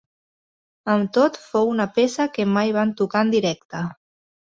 Amb tot, fou una peça que mai van tocar en directe.